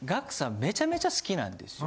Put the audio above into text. めちゃめちゃ好きなんですよ。